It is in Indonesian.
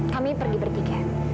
kami pergi bertiga